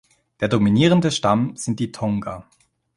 Der dominierende Stamm sind die Tonga.